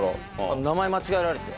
名前間違えられて。